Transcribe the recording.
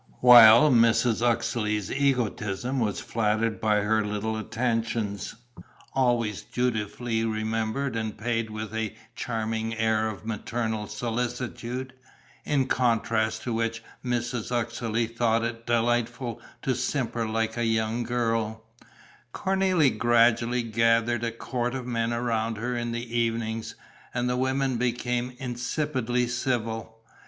While Mrs. Uxeley's egoism was flattered by her little attentions always dutifully remembered and paid with a charming air of maternal solicitude, in contrast to which Mrs. Uxeley thought it delightful to simper like a young girl Cornélie gradually gathered a court of men around her in the evenings; and the women became insipidly civil.